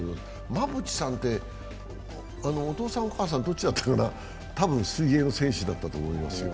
馬淵さんって、お父さん、お母さん、どっちだったかな多分、水泳の選手だったと思いますよ。